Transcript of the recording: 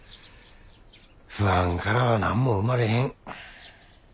不安からは何も生まれへん。